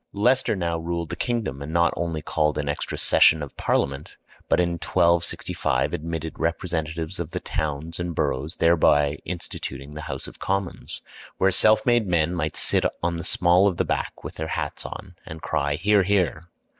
Leicester now ruled the kingdom, and not only called an extra session of Parliament, but in 1265 admitted representatives of the towns and boroughs, thereby instituting the House of Commons, where self made men might sit on the small of the back with their hats on and cry "Hear! Hear!"